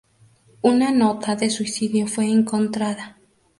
Una nota de suicidio fue encontrada.